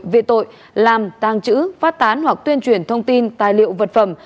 về tội làm tàng trữ phát tán hoặc tuyên truyền thông tin tài liệu vật phẩm